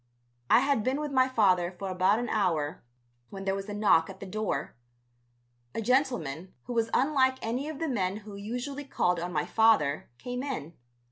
I had been with my father for about an hour when there was a knock at the door. A gentleman, who was unlike any of the men who usually called on my father, came in.